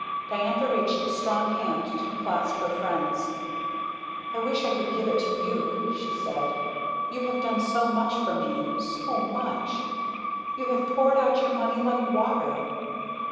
Diantha reached a strong hand to clasp her friend's. "I wish I could give it to you," she said. "You have done so much for me! So much! You have poured out your money like water!"